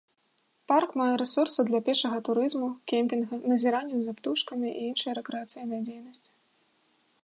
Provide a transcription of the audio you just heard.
Парк мае рэсурсы для пешага турызму, кемпінга, назіранняў за птушкамі і іншай рэкрэацыйнай дзейнасці.